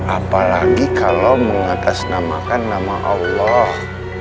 apalagi kalau mengatasnamakan nama allah